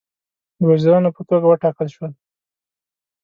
د وزیرانو په توګه وټاکل شول.